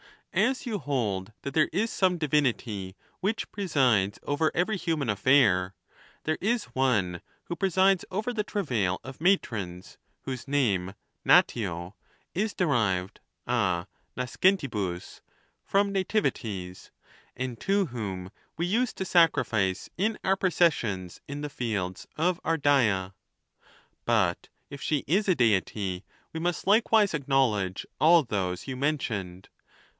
As you hold that there is some divinity THE NATURE OF THE GODS. 335 presides over every human affair, tbei e is one who presides over the travail of matrons, vvhosa name, Natio, is derived a nascentihus, from nativities, and to whom we used to sacrifice in our processions in the fields of Ardaea ; but if she is a Deity, we must likewise acknowledge all those you mentioned.